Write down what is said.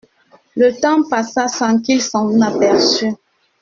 Le temps passa sans qu’il s’en aperçut.